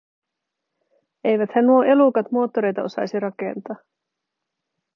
Eiväthän nuo elukat moottoreita osaisi rakentaa.